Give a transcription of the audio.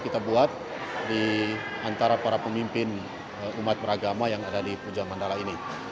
kita buat di antara para pemimpin umat beragama yang ada di pujamandala ini